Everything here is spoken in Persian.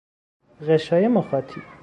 غشای مخاطی